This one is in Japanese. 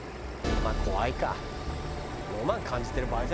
まあ怖いか。